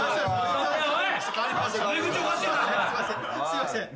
すいません。